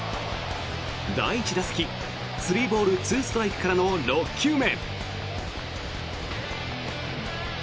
第１打席３ボール２ストライクからの６球目。